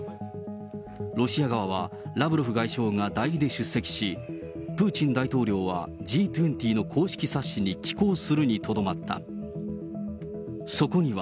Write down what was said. ロシア側はラブロフ外相が代理で出席し、プーチン大統領はＧ２０の公式冊子に寄稿するにとどまった。